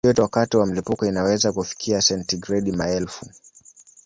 Joto wakati wa mlipuko inaweza kufikia sentigredi maelfu.